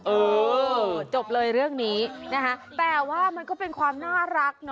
เออจบเลยเรื่องนี้นะคะแต่ว่ามันก็เป็นความน่ารักนะ